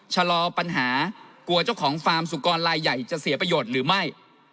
ชะลอปัญหากลัวเจ้าของฟาร์มสุกรลายใหญ่จะเสียประโยชน์หรือไม่